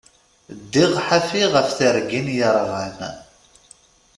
Ddiɣ ḥafi ɣef tergin yerɣan.